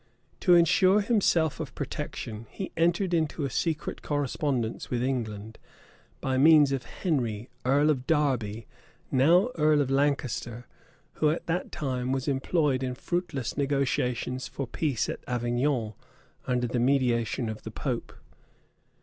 To insure himself of protection, he entered into a secret correspondence with England, by means of Henry, earl of Derby, now earl of Lancaster, who at that time was employed in fruitless negotiations for peace at Avignon, under the mediation of the pope.